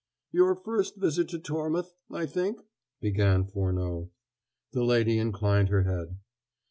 "Your first visit to Tormouth, I think?" began Furneaux. The lady inclined her head.